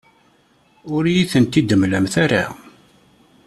Ur iyi-ten-id-temlamt ara.